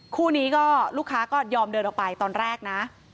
คู่นี้ก็ลูกค้าก็ยอมเดินออกไปตอนแรกนะ